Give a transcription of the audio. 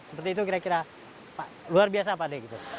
seperti itu kira kira pak luar biasa pak d